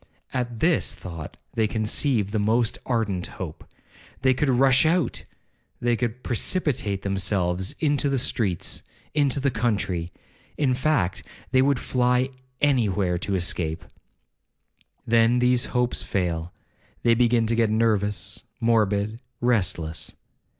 At this thought they conceive the most ardent hope,—they could rush out,—they could precipitate themselves into the streets, into the country,—in fact, they would fly any where to escape. Then these hopes fail,—they begin to get nervous, morbid, restless.